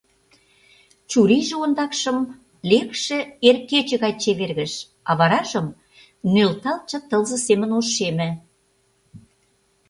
Чурийже ондакшым лекше эр кече гай чевергыш, а варажым нӧлталтше тылзе семын ошеме.